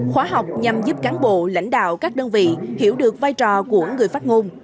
khóa học nhằm giúp cán bộ lãnh đạo các đơn vị hiểu được vai trò của người phát ngôn